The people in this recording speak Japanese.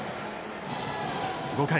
５回。